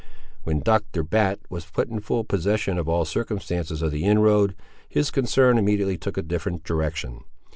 When Dr. Bat was put in full possession of all the circumstances of the inroad, his concern immediately took a different direction.